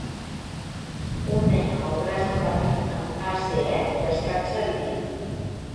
Un nen amb el braç embenat amb ACE descansa al llit.